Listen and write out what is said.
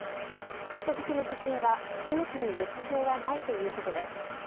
人質の女性は命に別条はないということです。